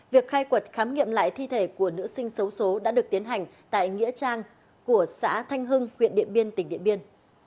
việc khai quật khám nghiệm lại thi thể của nữ sinh xấu xố đã được tiến hành tại nghĩa trang của xã thanh hưng huyện điện biên tỉnh điện biên